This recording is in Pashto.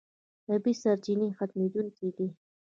طبیعي سرچینې ختمېدونکې دي.